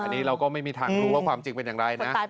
อันนี้เราก็ไม่มีทางรู้ว่าความจริงเป็นอย่างไรนะ